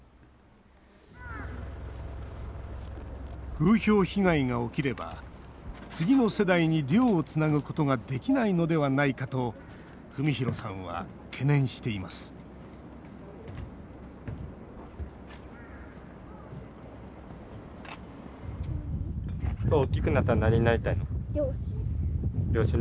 風評被害が起きれば次の世代に漁をつなぐことができないのではないかと文宏さんは懸念しています一番、そこが不安ですね。